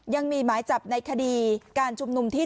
ยังมีหมายจับในคดีการชุมนุมที่